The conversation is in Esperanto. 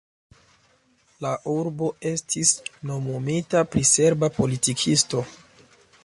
La urbo estis nomumita pri serba politikisto.